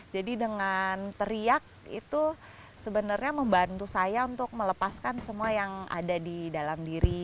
jadi dengan teriak itu sebenarnya membantu saya untuk melepaskan semua yang ada di dalam diri